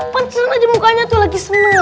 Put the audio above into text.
pancing aja mukanya tuh lagi seneng gitu ya